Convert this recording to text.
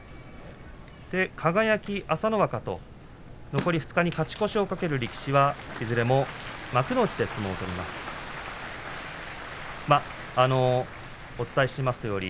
輝、朝乃若と残り２日に勝ち越しを懸ける力士はいずれも幕内で相撲を取ります。